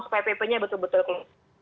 supaya pp nya betul betul